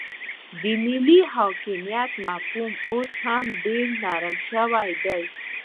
د ملي حاکمیت مفهوم اوس ډیر نرم شوی دی